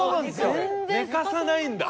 寝かさないんだ。